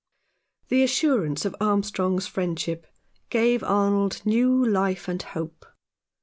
The assurance of Armstrong's friendship gave Arnold new life and hope.